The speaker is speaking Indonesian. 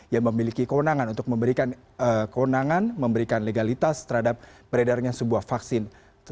yang memiliki kewenangan untuk memberikan kewenangan memberikan legalitas terhadap peredarnya sebuah vaksin